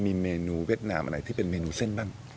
มีเมนูเวียดนามอะไรที่เป็นเมนูเส้นบ้าง